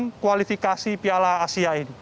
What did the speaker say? dan kualifikasi piala asia ini